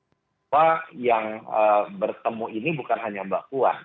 bahwa yang bertemu ini bukan hanya mbak puan